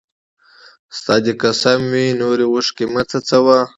ستا! دي قسم وي نوري اوښکي مه څڅوه